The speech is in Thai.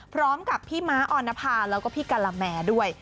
พร้อมกับพี่ม้าออนภาแล้วก็พี่กะละแมด้วย